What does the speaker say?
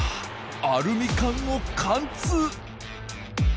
アルミ缶を貫通。